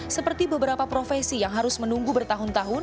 seperti beberapa profesi yang harus menunggunya